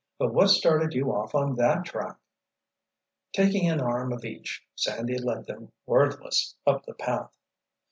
"But what started you off on that track?" Taking an arm of each, Sandy led them, wordless, up the path.